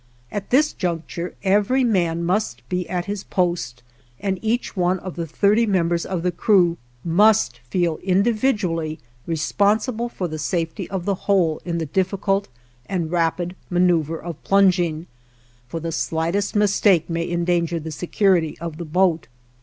At this juncture every man must be at his post, and each one of the thirty members of the crew must feel individually responsible for the safety of the whole in the difficult and rapid maneuver of plunging, for the slightest mistake may endanger the security of the boat.